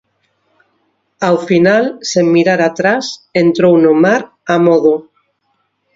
Ao final, sen mirar atrás, entrou no mar, a modo.